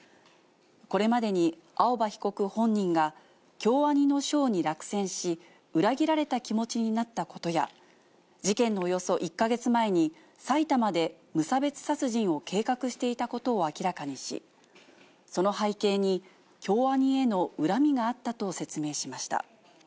これまでに青葉被告本人が、京アニの賞に落選し、裏切られた気持ちになったことや、事件のおよそ１か月前に、埼玉で無差別殺人を計画していたことを明らかにし、その背景に、京アニへの恨みがあったと説明しました。